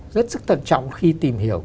rất sức thận trọng khi tìm hiểu